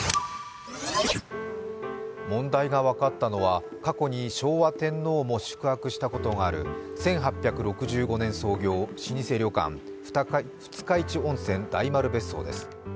問題が分かったのは、過去に昭和天皇も宿泊したことがある１８６５年創業、老舗旅館二日市温泉・大丸別荘です。